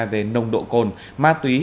về nồng độ cồn ma túy